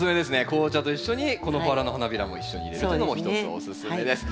紅茶と一緒にこのバラの花びらも一緒に入れるというのもひとつおすすめです。